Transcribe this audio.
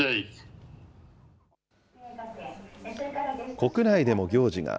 国内でも行事が。